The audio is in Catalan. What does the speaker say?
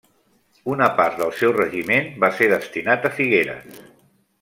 Una part del seu regiment va ser destinat a Figueres.